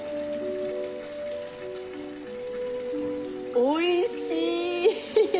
おいしい！